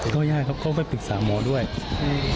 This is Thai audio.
ต้องงามครับเขาก็ไม่ปรึกษาหมอด้วยอืม